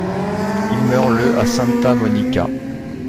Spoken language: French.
Il meurt le à Santa Monica.